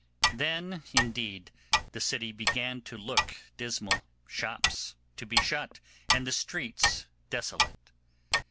Then, indeed, the city began to look dismal, shops to be shut, and the streets desolate.